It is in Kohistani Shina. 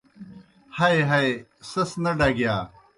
ہئی ہئی سیْس نہ ڈگِیا۔